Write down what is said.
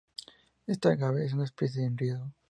Esta "Agave" es una especie en riesgo.